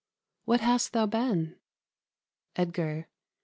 _ What hast thou been? "_Edgar.